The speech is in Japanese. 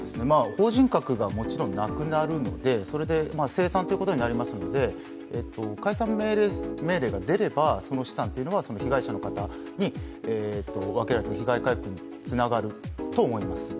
法人格がもちろんなくなるので、それで清算ということなりますので解散命令が出ればその資産というのは被害者の方に分けるということにつながると思います。